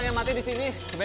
tadi ular ada di sini markus